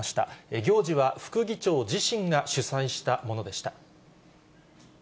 行事は副議長自身が主催したものでした。